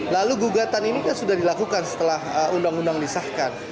lalu gugatan ini kan sudah dilakukan setelah undang undang disahkan